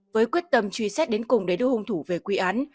với quyết tâm truy xét đến cùng để đưa hung thủ về quy án